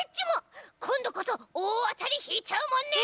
こんどこそおおあたりひいちゃうもんね！